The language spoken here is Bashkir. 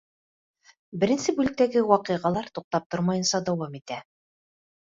Беренсе бүлектәге ваҡиғалар туҡтап тормайынса дауам итә.